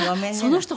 その人